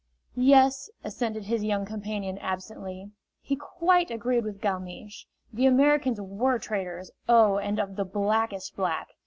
"Yes," assented his young companion, absently. He quite agreed with Galmiche the Americans were traitors, oh, of the blackest black!